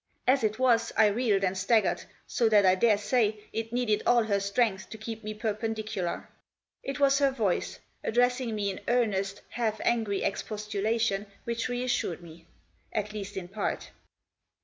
As it was I reeled and staggered, so that I daresay it needed all her strength to keep me perpen dicular. It was her voice, addressing me in earnest, half angry, expostulation which reassured me — at least in part.